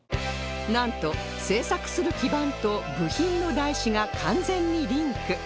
なんと製作する基板と部品の台紙が完全にリンク